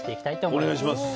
お願いします。